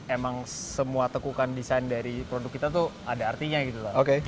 emang semua tekukan desain dari produk kita tuh ada artinya gitu loh